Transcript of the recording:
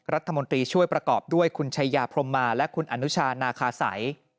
รัฐมนตรีช่วยประกอบด้วยคุณชายาพรมมาและคุณอนุชานาคาสัย